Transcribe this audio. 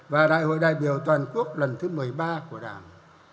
và đại hội đại biểu toàn quốc lần thứ một mươi ba của đảng